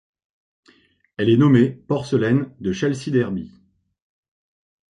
Elle est nommée porcelaine de Chelsea-Derby.